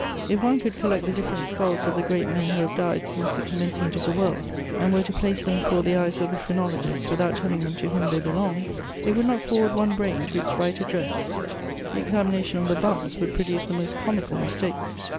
If one could collect the different skulls of the great men who have died since the commencement of the world, and were to place them before the eyes of the phrenologists without telling them to whom they belonged, they would not forward one brain to its right address: the examination of the "bumps" would produce the most comical mistakes.